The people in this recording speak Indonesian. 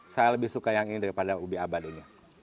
saya lebih suka yang ini daripada ubi abad ini